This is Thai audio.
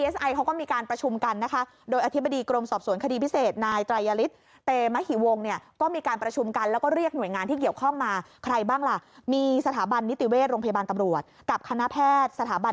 สถาบันนิติเวชโรงพยาบาลกำรวจกับคณะแพทย์สถาบัน